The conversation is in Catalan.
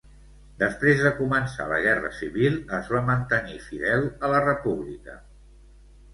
Després de començar la Guerra civil, es va mantenir fidel a la República.